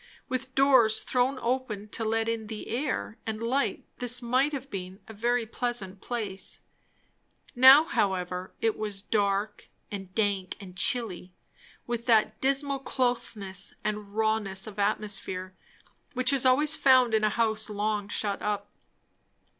With doors thrown open to let in the air and light this might have been a very pleasant place; now however it was dark and dank and chilly, with that dismal closeness and rawness of atmosphere which is always found in a house long shut up.